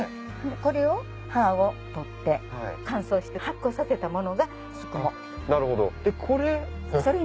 これを葉を採って乾燥して発酵させたものがすくも。